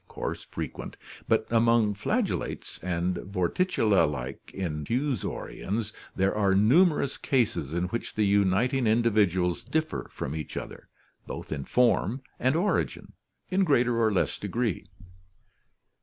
course frequent, but among flagellates and VorUceUa \ike infusorians there are numerous cases in which the uniting individuals differ from each other, both in form and origin, in greater or less degree.